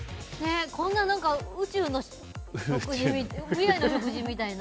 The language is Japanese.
こんな宇宙の未来の食事みたいな。